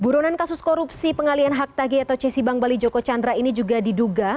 buronan kasus korupsi pengalian hak tagi atau cesi bank bali joko chandra ini juga diduga